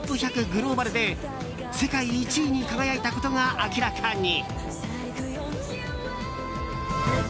グローバルで世界１位に輝いたことが明らかに。